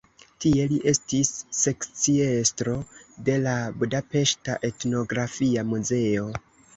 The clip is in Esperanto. Tie li estis sekciestro de la budapeŝta Etnografia Muzeo.